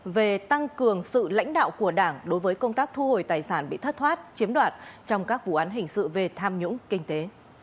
về tăng cường sự lãnh đạo của đảng đối với công tác thu hồi tài sản bị thất thoát chiếm đoạt trong các vụ án hình sự về tham nhũng kinh tế